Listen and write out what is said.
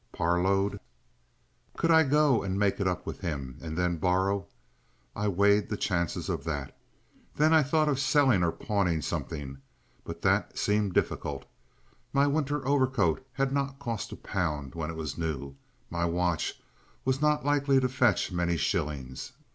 Parload? Could I go and make it up with him, and then borrow? I weighed the chances of that. Then I thought of selling or pawning something, but that seemed difficult. My winter overcoat had not cost a pound when it was new, my watch was not likely to fetch many shillings.